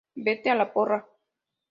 Vete a la porra